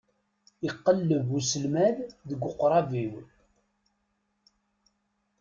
Iqelleb uselmad deg uqrab-iw.